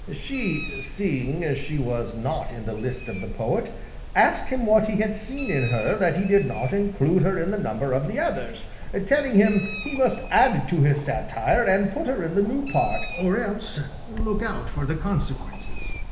She, seeing she was not in the list of the poet, asked him what he had seen in her that he did not include her in the number of the others, telling him he must add to his satire and put her in the new part, or else look out for the consequences.